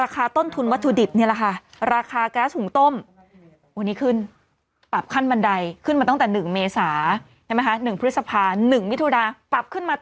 โคโยตี้ก็คือเป็นโคโยตี้น้ำดู้เฉยอันนั้น